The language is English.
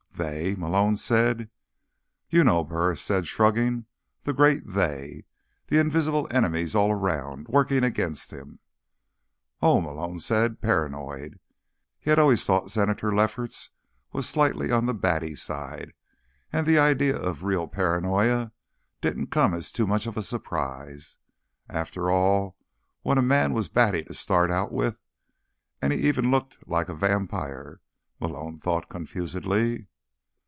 "They?" Malone said. "You know," Burris said, shrugging. "The great 'they.' The invisible enemies all around, working against him." "Oh," Malone said. "Paranoid?" He had always thought Senator Lefferts was slightly on the batty side, and the idea of real paranoia didn't come as too much of a surprise. After all, when a man was batty to start out with ... and he even looked like a vampire, Malone thought confusedly.